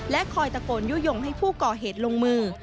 คอยตะโกนยุโยงให้ผู้ก่อเหตุลงมือ